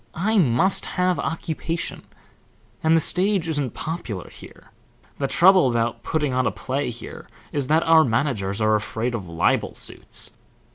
I must have occupation, and the stage isn't popular here. The trouble about putting on a play here is that our managers are afraid of libel suits.